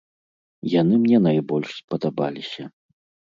Яны мне найбольш спадабаліся.